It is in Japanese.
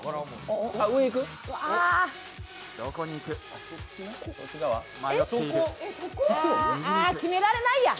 あ、決められないや。